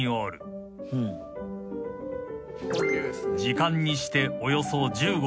［時間にしておよそ１５秒］